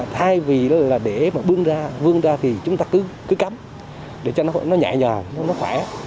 thay vì đó là để mà bương ra bương ra thì chúng ta cứ cấm để cho nó nhẹ nhò nó khỏe